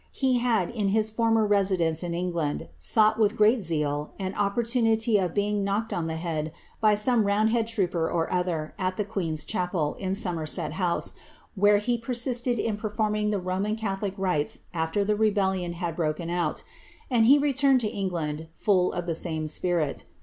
He had, in his former residence in England, sought with great zeal an op portunity of being knocked on the head by some roundhead trooper or other, at the qiieen^s chapel, in Somerset House, where he persisted in }K'rforming the Roinan catholic riles at\er the rebellion had broken out; and he returned to England full of the same spirit.